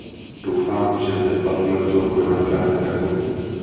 Doufám, že zde v Parlamentu budeme právě takoví.